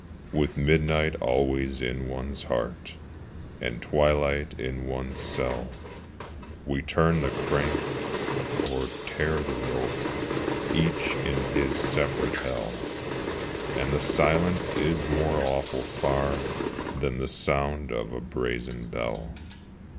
With midnight always in one's heart, And twilight in one's cell, We turn the crank, or tear the rope, Each in his separate Hell, And the silence is more awful far Than the sound of a brazen bell.